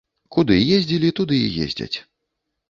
Куды ездзілі, туды і ездзяць.